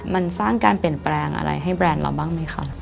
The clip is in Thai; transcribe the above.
มันสร้างการเปลี่ยนแปลงอะไรให้แบรนด์เราบ้างไหมคะ